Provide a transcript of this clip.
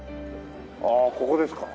ああここですか？